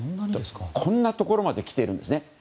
こんなところまで来ているんです。